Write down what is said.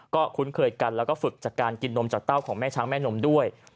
ก็คุ้นเคยกันแล้วก็ฝึกจากการกินนมจากเต้าของแม่ช้างแม่นมด้วย